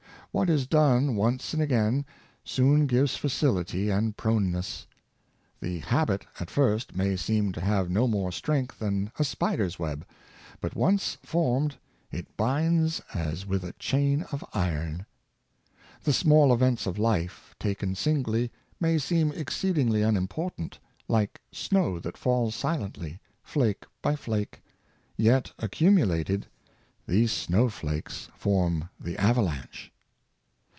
What is done once and again, soon gives facility and proneness. The habit at first may seem to have no more strength than a spi der's web, but once formed, it binds as with a chain of iron. The small events of life, taken singly, may seem exceedingly unimportant, like snow that falls silently, flake by flake, yet accumulated, these snowflakes form the avalanche.